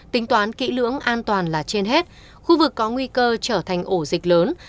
tính toán kỹ lưỡng an toàn là trên hết khu vực có nguy cơ trở thành ổ dịch lớn